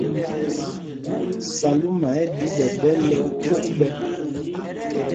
Salúma ɛ́ ɗǐ ɓɛ ɗɛ́l lɛ́ ókok ɓɛ̄.